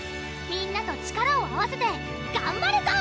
みんなと力を合わせてがんばるぞ！